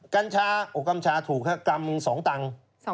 กันชาโอ้กันชาถูกครับกรรม๒ตัง